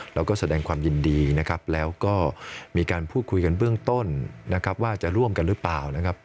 เราก็แสดงความยินดีนะครับแล้วก็มีการพูดคุยกันเบื้องต้นนะครับว่าจะร่วมกันหรือเปล่านะครับ